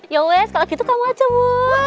ya wes kalau gitu kamu aja bu